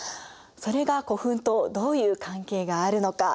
それが古墳とどういう関係があるのか。